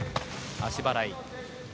足払い。